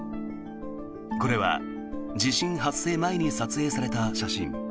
これは地震発生前に撮影された写真。